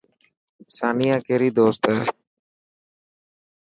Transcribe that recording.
سانيا ڪيري دوست اي.